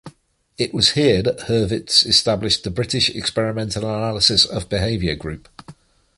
It was here that Hurwitz established the "British Experimental Analysis of Behaviour Group".